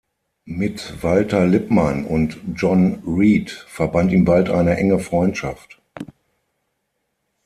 Mit Walter Lippmann und John Reed verband ihn bald eine enge Freundschaft.